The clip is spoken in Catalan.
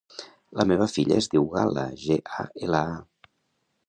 La meva filla es diu Gala: ge, a, ela, a.